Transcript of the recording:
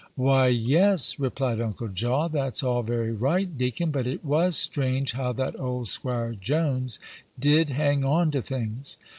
"Why, yes," replied Uncle Jaw, "that's all very right, deacon; but it was strange how that old 'Squire Jones did hang on to things.